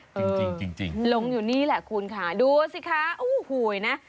จริงจริงหลงอยู่นี่แหละคุณค่ะดูสิคะโอ้โหนะ